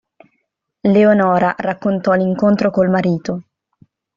Leonora raccontò l'incontro col marito.